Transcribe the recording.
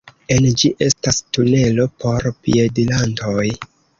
En ĝi estas tunelo por piedirantoj.